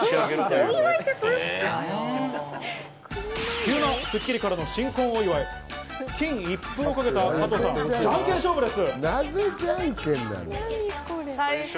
急な『スッキリ』からの新婚お祝い金一封をかけたじゃんけん勝負です。